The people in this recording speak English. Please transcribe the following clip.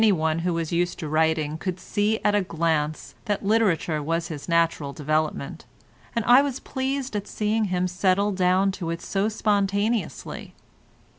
Anyone who was used to writing could see at a glance that literature was his natural development, and I was pleased at seeing him settle down to it so spontaneously.